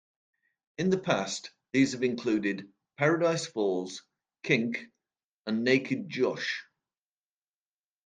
In the past, these have included "Paradise Falls", "KinK", and "Naked Josh".